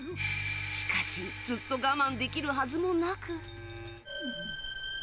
しかし、ずっと我慢できるはずもなく。